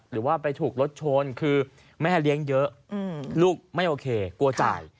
หรือว่าไปถูกรถชนคือแม่เลี้ยงเยอะลูกไม่โอเคกลัวจ่าย